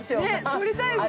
◆乗りたいですね。